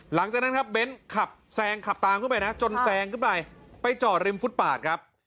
หลังจากนั้นครับเบ้นขับแซงขับตามขึ้นไปนะจนแซงขึ้นไปไปจอดริมฟุตปาดครับ